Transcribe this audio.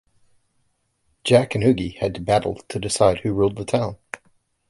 Jack and Oogie had a battle to decide who ruled the town.